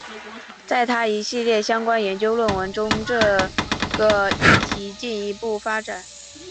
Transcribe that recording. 在他一系列相关研究论文中这个议题进一步发展。